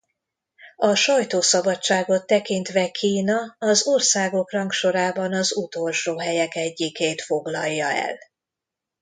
A sajtószabadságot tekintve Kína az országok rangsorában az utolsó helyek egyikét foglalja el.